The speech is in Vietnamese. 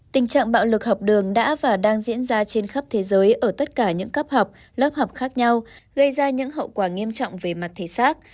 tình trạng bạo lực học đường đã và đang diễn ra trên khắp thế giới ở tất cả những cấp học lớp học khác nhau gây ra những hậu quả nghiêm trọng về mặt thể xác